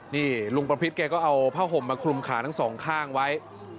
นี่ลุงประพิษแกก็เอาผ้าห่มมาคลุมขาทั้งสองข้างไว้